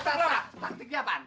tak tak taktik ya bang